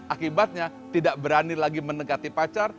akibatnya tidak berani lagi mendekati pacar